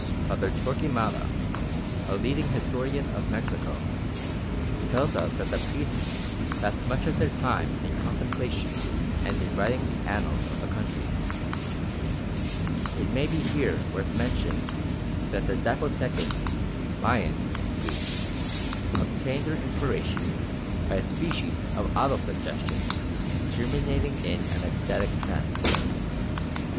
Father Torquemada, a leading historian of Mexico, tells us that the priests "passed much of their time in contemplation and in writing the annals of the country." It may be here worth mention that the Zapotecan (Mayan) priests obtained their inspiration by a species of auto suggestion terminating in an ecstatic trance.